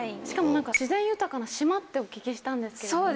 しかも自然豊かな島ってお聞きしたんですけれども。